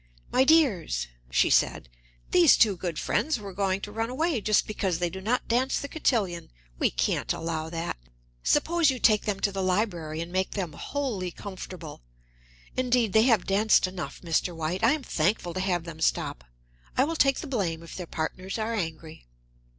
"My dears," she said, "these two good friends were going to run away just because they do not dance the cotillion. We can't allow that. Suppose you take them to the library and make them wholly comfortable. Indeed, they have danced enough, Mr. White; I am thankful to have them stop. I will take the blame if their partners are angry."